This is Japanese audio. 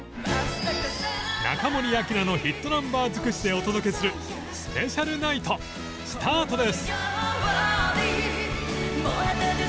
中森明菜のヒットナンバー尽くしでお届けするスペシャルナイトスタートです！